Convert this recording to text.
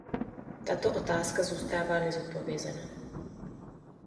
Tato otázka zůstává nezodpovězena.